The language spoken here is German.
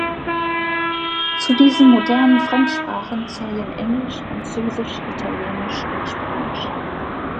Zu diesen modernen Fremdsprachen zählen Englisch, Französisch, Italienisch und Spanisch.